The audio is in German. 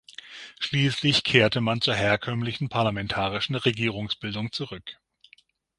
Schließlich kehrte man zur herkömmlichen parlamentarischen Regierungsbildung zurück.